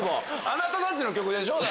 あなたたちの曲でしょ。